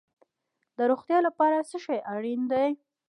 د روغتیا لپاره څه شی اړین دي؟